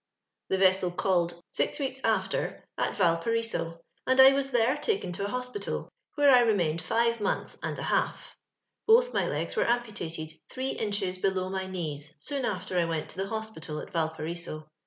" Tho vessel called, six weeks after, at Vuli^iiriso, and I was there taken to an hoepital, where I re mained five months and a halU liuth uiy legs were amputated three inches below my knees soon after I went to the hospital at VaI{Miriso.